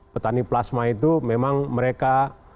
petani plasma itu memang mereka